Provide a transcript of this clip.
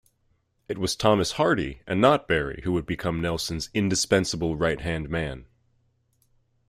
It was Thomas Hardy and not Berry who would become Nelson's indispensable right-hand man.